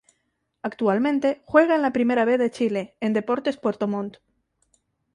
Actualmente juega en la Primera B de Chile, en Deportes Puerto Montt.